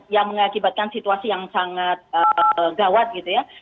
yang mengakibatkan situasi yang sangat gawat gitu ya